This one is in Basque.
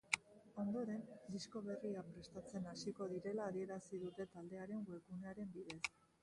Ondoren, disko berria prestatzen hasiko direla adierazi dute taldearen webgunearen bidez.